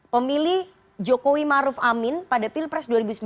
pemilih jokowi maruf amin pada pilpres dua ribu sembilan belas